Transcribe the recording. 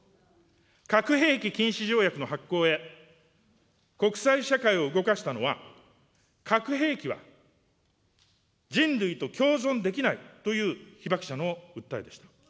核兵器禁止条約の発効へ、国際社会を動かしたのは、核兵器は人類と共存できないという被爆者の訴えでした。